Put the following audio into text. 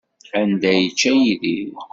Anda ay yečča Yidir?